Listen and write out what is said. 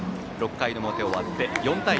６回の表終わって４対２